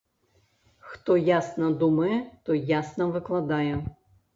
Хто ясна думае, той ясна выкладае.